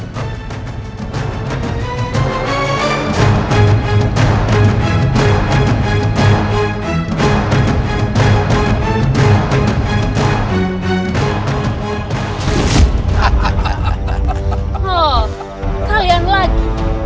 oh kalian lagi